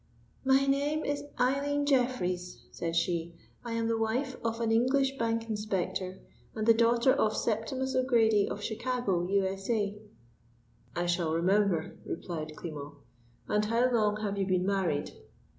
"My name is Eileen Jeffreys," she said. "I am the wife of an English Bank Inspector, and the daughter of Septimus O'Grady, of Chicago, U.S.A." "I shall remember," replied Klimo. "And how long have you been married?"